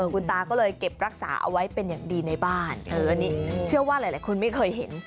คุณตาก็เลยเก็บรักษาเอาไว้เป็นอย่างดีในบ้านอันนี้เชื่อว่าหลายคนไม่เคยเห็น